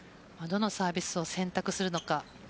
どのサービスを選択するのか。